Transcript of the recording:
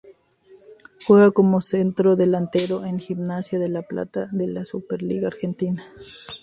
Juega como centrodelantero en Gimnasia de La Plata de la Superliga Argentina.